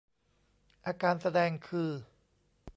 อาการแสดงคือ